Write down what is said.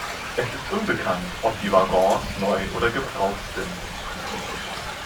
Es ist unbekannt, ob die Waggons neu oder gebraucht sind.